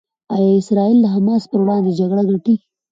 ایا اسرائیل د حماس پر وړاندې جګړه ګټي؟